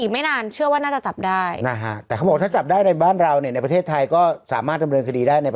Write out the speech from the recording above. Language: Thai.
ไฟมันประเทศจะมีเยอะนะตอนนี้